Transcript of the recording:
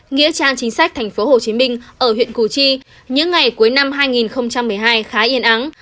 nghĩa trang chính sách tp hcm ở huyện củ chi những ngày cuối năm hai nghìn một mươi hai khá yên ắng